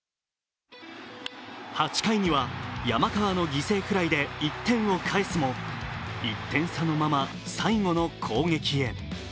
８回には山川の犠牲フライで１点を返すも１点差のまま、最後の攻撃へ。